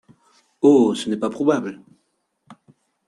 Oh ! ce n’est pas probable !…